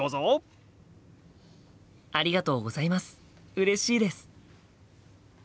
うれしいです！